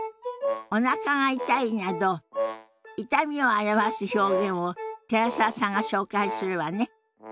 「おなかが痛い」など痛みを表す表現を寺澤さんが紹介するわね。